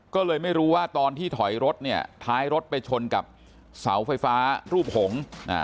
ก็เลยไม่รู้ว่าตอนที่ถอยรถเนี่ยท้ายรถไปชนกับเสาไฟฟ้ารูปหงษ์